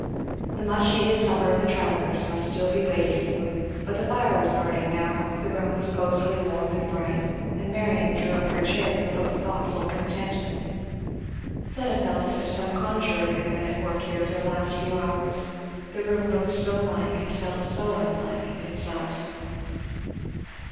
The much needed supper of the travellers must be still waited for; but the fire was burning now, the room was cosily warm and bright, and Marion drew up her chair with a look of thoughtful contentment. Fleda felt as if some conjuror had been at work here for the last few hours the room looked so like and felt so unlike itself.